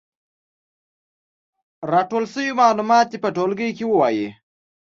راټول شوي معلومات دې په ټولګي کې ووايي.